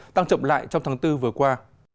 tăng chậm lại trong tháng bốn vừa qua